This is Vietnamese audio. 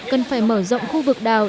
cần phải mở rộng khu vực đào